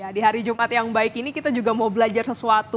di hari jumat yang baik ini kita juga mau belajar sesuatu